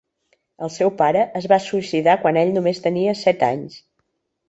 El seu pare es va suïcidar quan ell només tenia set anys.